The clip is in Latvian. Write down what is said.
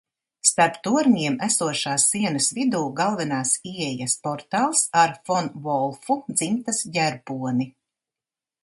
Starp torņiem esošās sienas vidū galvenās ieejas portāls ar fon Volfu dzimtas ģerboni.